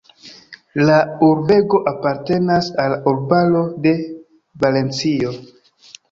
La urbego apartenas al urbaro de Valencio.